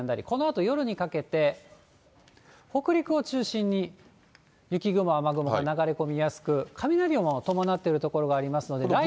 このあと夜にかけて、北陸を中心に雪雲、雨雲が流れ込みやすく、雷も伴ってる所がありますので。